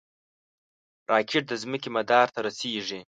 راکټ د ځمکې مدار ته رسېږي